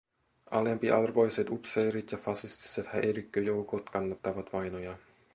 Alempiarvoiset upseerit ja fasistiset häirikköjoukot kannattavat vainoja.